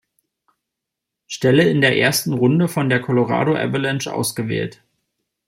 Stelle in der ersten Runde von der Colorado Avalanche ausgewählt.